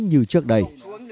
như trước đây